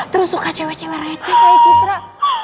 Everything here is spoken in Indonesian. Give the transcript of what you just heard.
terus suka cewek cewek receh kayak citra